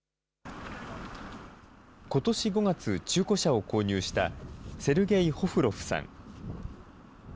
ことし５月、中古車を購入した、セルゲイ・ホフロフさん。